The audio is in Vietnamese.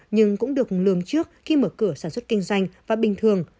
nhưng cũng được lường trước khi mở cửa sản xuất kinh doanh và bình thường